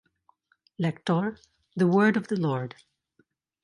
Lector: The Word of the Lord.